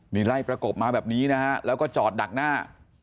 นี่ไล่ประกบมาแบบนี้นะฮะแล้วก็จอดดักหน้า